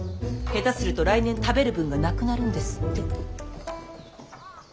下手すると来年食べる分がなくなるんですって。